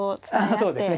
そうですね。